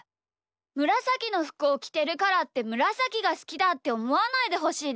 むらさきのふくをきてるからってむらさきがすきだっておもわないでほしいです。